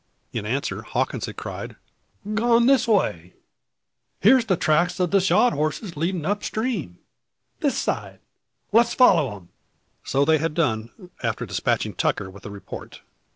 In answer, Hawkins had cried: "Gone this way! Here's the tracks of the shod horses leading up stream, this side. Let's follow them!" So they had done, after despatching Tucker with the report.